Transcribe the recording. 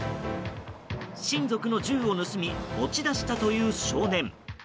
親族の銃を盗み持ち出したという少年。